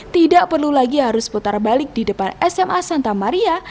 tidak perlu lagi harus putar balik di depan sma santa maria